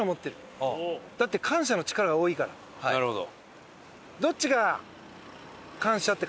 なるほど。